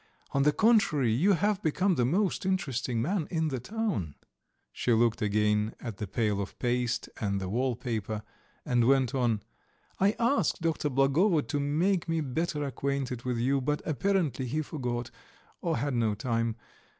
On the contrary, you have become the most interesting man in the town." She looked again at the pail of paste and the wallpaper, and went on: "I asked Dr. Blagovo to make me better acquainted with you, but apparently he forgot, or had not time.